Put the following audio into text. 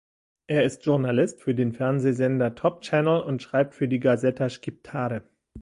Er ist Journalist für den Fernsehsender "Top Channel" und schreibt für die "Gazeta Shqiptare".